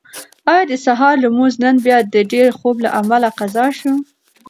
ایا د سهار لمونځ نن بیا د ډېر خوب له امله قضا شو؟